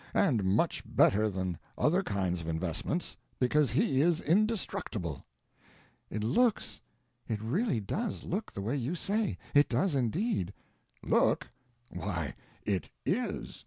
And much better than other kinds of investments, because he is indestructible." "It looks—it really does look the way you say; it does indeed." "Look?—why it is.